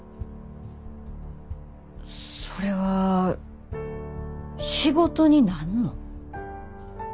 それは仕事になんの？